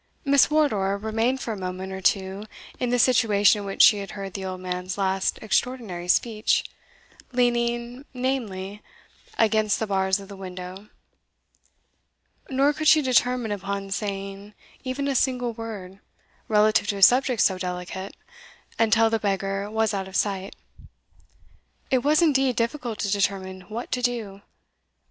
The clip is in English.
Miss Wardour remained for a moment or two in the situation in which she had heard the old man's last extraordinary speech, leaning, namely, against the bars of the window; nor could she determine upon saying even a single word, relative to a subject so delicate, until the beggar was out of sight. It was, indeed, difficult to determine what to do.